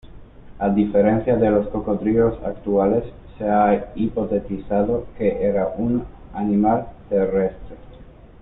A diferencia de los cocodrilos actuales, se ha hipotetizado que era un animal terrestre.